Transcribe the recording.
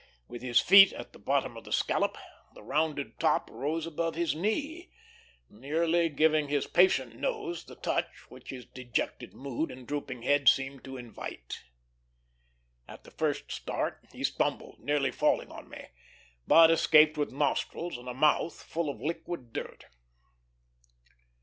With his feet at the bottom of the scallop, the rounded top rose above his knee, nearly giving his patient nose the touch which his dejected mood and drooping head seemed to invite. At the first start he stumbled, nearly falling on me, but escaped with nostrils and mouth full of liquid dirt.